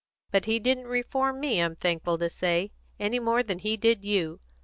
But he didn't reform me, I'm thankful to say, any more than he did you.